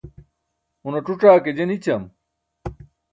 un ac̣uc̣aa ke je nićam